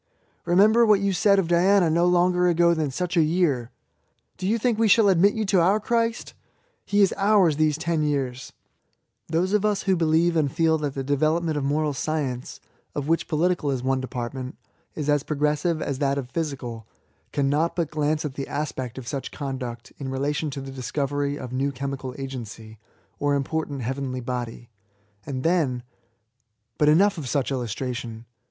''Be member what you said of Diana no longer ago than such a year!" "Do you think we shall admit you to our Christ? He is ours these ten years !" Those of u£ who believe and feel that the development of moral science (of which poli tical is one department) is as progressive as that of physical^ cannot but glance at the aspect of such conduct in relation to the discovery of a new chemical agency, or important heavenly body ; and then •.. But enough of such illustration.